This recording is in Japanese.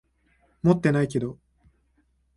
持ってないけど。